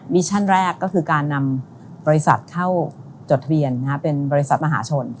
ชั่นแรกก็คือการนำบริษัทเข้าจดทะเบียนเป็นบริษัทมหาชน